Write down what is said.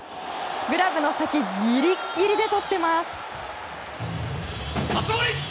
グラブの先ギリギリでとってます！